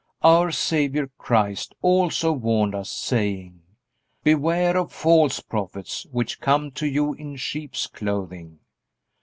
Our Savior Christ also warned us, saying: "Beware of false prophets, which come to you in sheep's clothing."